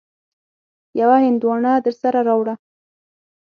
يوه هندواڼه درسره راوړه.